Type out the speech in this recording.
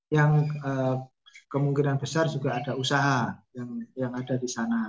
yang kemungkinan besar juga ada usaha yang ada disana